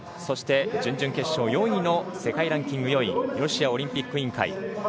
そして準々決勝４位の世界ランキング４位ロシアオリンピック委員会。